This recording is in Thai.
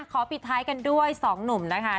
ปิดท้ายกันด้วย๒หนุ่มนะคะ